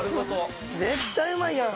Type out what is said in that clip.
絶対うまいやん。